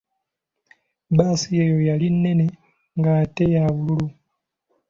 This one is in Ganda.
Bbaasi eyo yali nnene nga ate ya bululu.